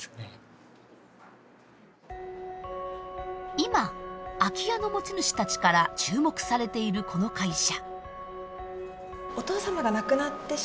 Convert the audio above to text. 今空き家の持ち主たちから注目されているこの会社。